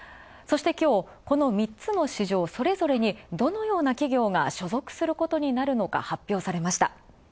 そしてきょう、この３つの市場、それぞれにどのような企業が所属することになるのか、発表されました。